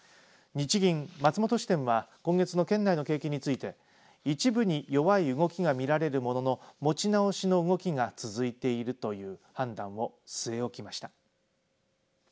日銀松本支店は今月の県内の景気について一部に弱い動きが見られるものの持ち直しの動きが続いているという判断を据え置きました。